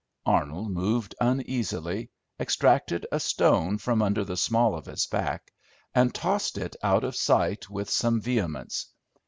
Arnold moved uneasily, extracted a stone from under the small of his back and tossed it out of sight with some vehemence.